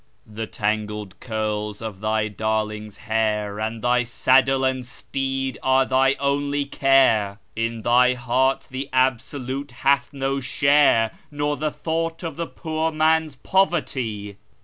The tangled curls of thy darling's hair, and thy saddle and teed are thy only care; In thy heart the Absolute hath no share, nor the thought of the poor man's poverty.